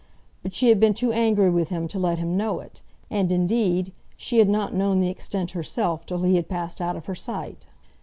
But she had been too angry with him to let him know it; and, indeed, she had not known the extent herself till he had passed out of her sight.